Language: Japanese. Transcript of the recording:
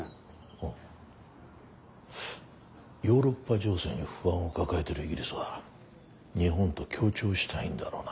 ああヨーロッパ情勢に不安を抱えてるイギリスは日本と協調したいんだろうな。